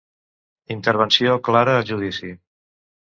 Intervenció Clara al judici.